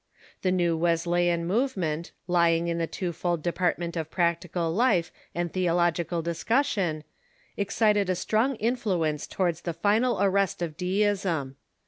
The new Wesleyan movement, lying in the twofold depart ment of practical life and theological discussion, excited a strong influence towards the final arrest of Deism.